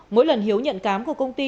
mỗi lần hiếu nhận cám của công ty